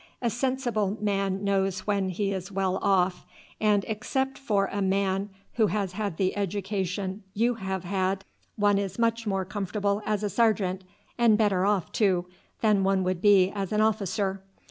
A sensible man knows when he is well off, and except for a man who has had the education you have had one is much more comfortable as a sergeant, and better off too, than one would be as an officer.